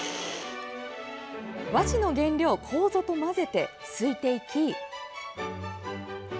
和紙の原料、こうぞと混ぜてすいていき。